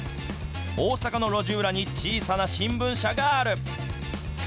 大阪の路地裏に小さな新聞社がある。